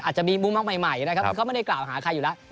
อาจจะมีมุมมางใหม่เขาไม่ได้กล่าวหาใครอยู่แล้ว